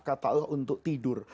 kata allah untuk tidur